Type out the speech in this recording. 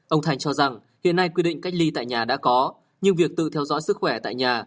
ông thành cho rằng hiện nay quy định cách ly tại nhà đã có nhưng việc tự theo dõi sức khỏe tại nhà